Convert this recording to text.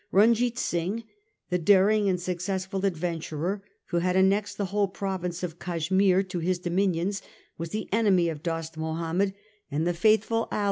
Runjeet Singh, the daring and successful adventurer who had annexed the whole province of Cashmere to his dominions, was the enemy of Dost Mahomed and the faithful ally 1838.